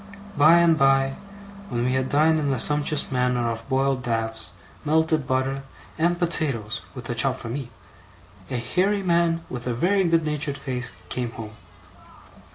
By and by, when we had dined in a sumptuous manner off boiled dabs, melted butter, and potatoes, with a chop for me, a hairy man with a very good natured face came home.